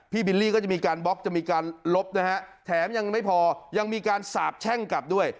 บิลลี่ก็จะมีการบล็อกจะมีการลบนะฮะแถมยังไม่พอยังมีการสาบแช่งกลับด้วย